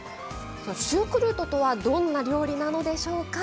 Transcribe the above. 「シュークルート」とはどんな料理なのでしょうか？